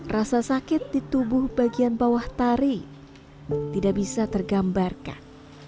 rasa sakit di tubuh bagian bawah tari tidak bisa tergambarkan